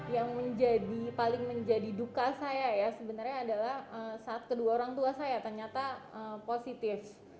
yang menjadi paling menjadi duka saya ya sebenarnya adalah saat kedua orang tua saya ternyata positif